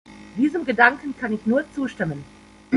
Diesem Gedanken kann ich nur zustimmen.